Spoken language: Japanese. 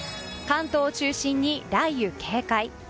関東を中心に雷雨警戒。